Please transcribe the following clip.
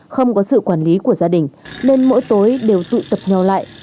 trong độ tuổi tâm sinh lý